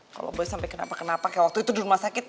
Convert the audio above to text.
kalau boleh sampai kenapa kenapa kayak waktu itu di rumah sakit